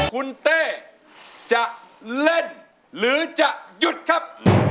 คุณเต้จะเล่นหรือจะหยุดครับ